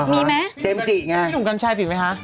มีหรอเพมจิไงมีหนุ่มกันชายติดไหมฮะ